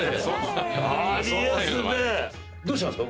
どうしたんですか？